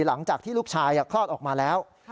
หลังจากที่ลูกชายคลอดออกมาแล้ว